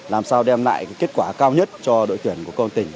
làm sao đem lại kết quả cao nhất cho đội tuyển của công an tỉnh